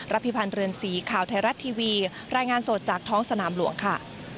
พิพันธ์เรือนสีข่าวไทยรัฐทีวีรายงานสดจากท้องสนามหลวงค่ะ